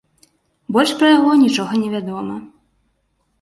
Больш пра яго нічога не вядома.